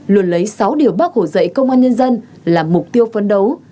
luôn lấy sáu điều bác hồ dạy công an nhân dân là mục tiêu phấn đấu